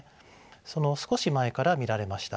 その少し前から見られました。